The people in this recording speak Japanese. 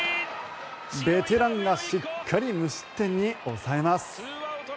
ベテランがしっかり無失点に抑えます。